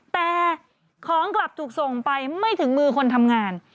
แต่ของกลับถูกส่งไปไม่ถึงมือคนทำงาน